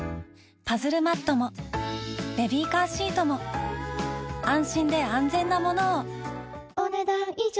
パズルマットもベビーカーシートも安心で安全なものをお、ねだん以上。